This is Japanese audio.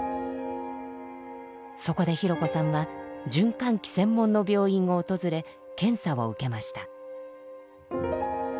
そこでひろこさんは循環器専門の病院を訪れ検査を受けました。